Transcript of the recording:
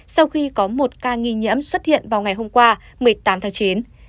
sau khi có một ca nghi nhiễm xuất hiện vào ngày hôm qua một mươi tám tháng chín